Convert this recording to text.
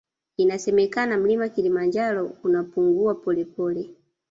Inasemekana mlima kilimanjaro unapungua polepole